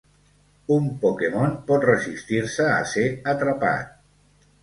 Un Pokémon pot resistir-se a ser atrapat.